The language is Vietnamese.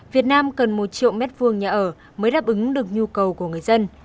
việt nam cần một triệu mét vuông nhà ở mới đáp ứng được nhu cầu của người dân